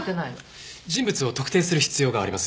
人物を特定する必要があります。